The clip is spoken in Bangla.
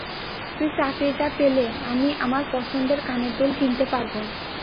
তুই চাকরিটা পেলে, আমি আমার পছন্দের কানের দুল কিনতে পারবো।